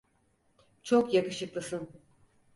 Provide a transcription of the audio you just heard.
Çok yakışıklısın.